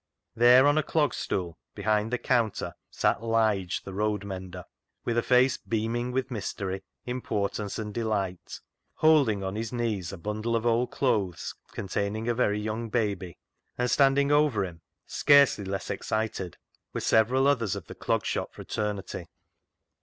There, on a clog stool behind the counter, sat Lige, the road mender, with a face beam ing with mystery, importance, and delight, holding on his knees a bundle of old clothes containing a very young baby ; and standing over him, scarcely less excited, were several others of the Clog Shop fraternity.